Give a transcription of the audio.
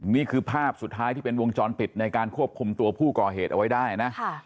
นี่คือภาพสุดท้ายที่เป็นวงจรปิดในการควบคุมตัวผู้ก่อเหตุเอาไว้ได้นะ